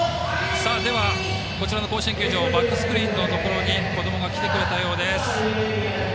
では、こちらの甲子園球場バックスクリーンのところにこどもが来てくれたようです。